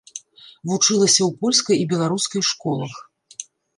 Вучылася ў польскай і беларускай школах.